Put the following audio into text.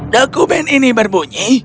dokumen ini berbunyi